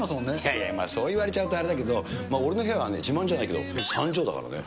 いやいや、まあ、そう言われちゃうとあれだけど、俺の部屋は自慢じゃないけど、３畳だからね。